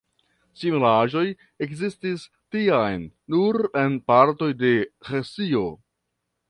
Similaĵoj ekzistis tiam nur en partoj de Hesio.